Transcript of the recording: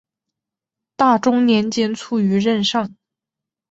大中年间卒于任上。